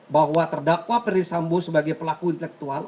bahwa terdakwa peri sambu sebagai pelaku intelektual